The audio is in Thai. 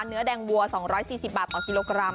เนื้อแดงวัว๒๔๐บาทต่อกิโลกรัม